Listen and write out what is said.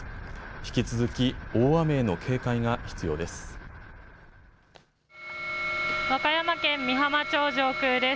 引き続き大雨への警戒が必要です。